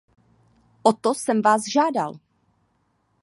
O to jsem vás žádal.